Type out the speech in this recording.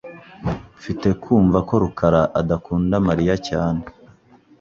Mfite kumva ko rukara adakunda Mariya cyane. .